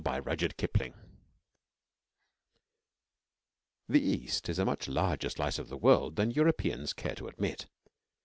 II A RETURN TO THE EAST The East is a much larger slice of the world than Europeans care to admit.